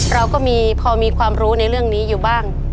เราก็พอมีความรู้ในเรื่องนี้อยู่บ้าง